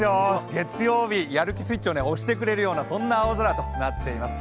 月曜日、やる気スイッチを押してくれるようなそんな空となっていまいす。